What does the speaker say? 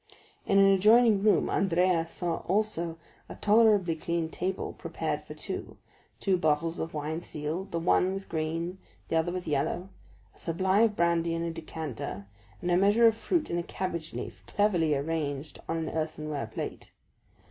In an adjoining room Andrea saw also a tolerably clean table prepared for two, two bottles of wine sealed, the one with green, the other with yellow, a supply of brandy in a decanter, and a measure of fruit in a cabbage leaf, cleverly arranged on an earthenware plate.